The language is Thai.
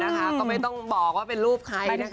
ก็ไม่ต้องบอกว่าเป็นรูปใครนะคะ